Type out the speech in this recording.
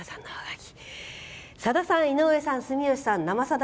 「さださん、井上さん住吉さん「生さだ」